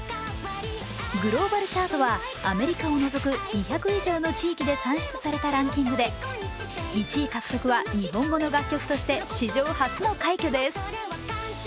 グローバル・チャートはアメリカを除く２００以上の国で算出されたランキングで１位獲得は日本語の楽曲として史上初の快挙です。